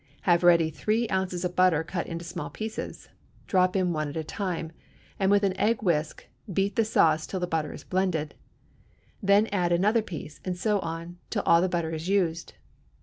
Have ready three ounces of butter cut into small pieces; drop one in at a time, and with an egg whisk beat the sauce till the butter is blended; then add another piece, and so on, till all the butter is used.